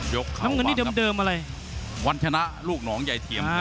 ยกเข่าวางกับวันชนะลูกหนองใหญ่เทียม